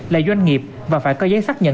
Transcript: là doanh nghiệp và phải có giấy xác nhận